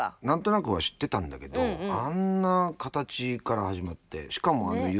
何となくは知ってたんだけどあんな形から始まってしかもあんな